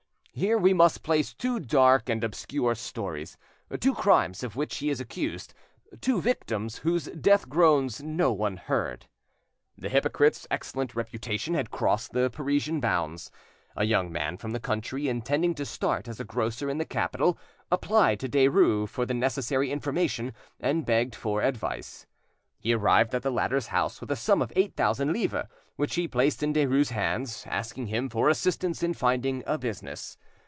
Here we must place two dark and obscure stories, two crimes of which he is accused, two victims whose death groans no one heard. The hypocrite's excellent reputation had crossed the Parisian bounds. A young man from the country, intending to start as a grocer in the capital, applied to Derues for the necessary information and begged for advice. He arrived at the latter's house with a sum of eight thousand livres, which he placed in Derues' hands, asking him for assistance in finding a business.